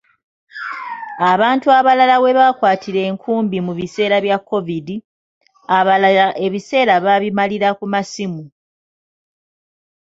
Abantu abalala we baakwatira enkumbi mu biseera bya Kovidi, abalala ebiseera baabimalira ku masimu.